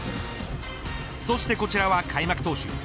そして、こちらは開幕投手